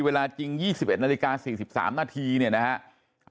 เวลาจริง๒๑นาฬิกา๔๓นาทีเนี่ยนะครับ